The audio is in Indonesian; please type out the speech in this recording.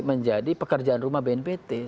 menjadi pekerjaan rumah bnpt